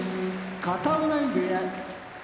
片男波部屋